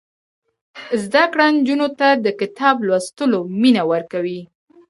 زده کړه نجونو ته د کتاب لوستلو مینه ورکوي.